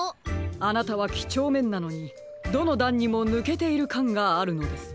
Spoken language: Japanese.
あなたはきちょうめんなのにどのだんにもぬけているかんがあるのです。